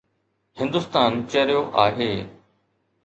هندستان چريو آهي